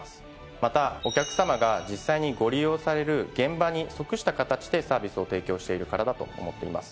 またお客さまが実際にご利用される現場に即した形でサービスを提供しているからだと思っています。